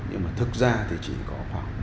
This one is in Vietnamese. nhưng mà thực ra thì chỉ có khoảng